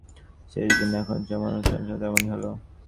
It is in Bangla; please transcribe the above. শেষ দিনে এখন যেমন মহোৎসব হয়, তেমনি হল।